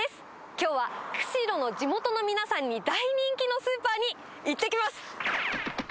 きょうは釧路の地元の皆さんに大人気のスーパーに行ってきます。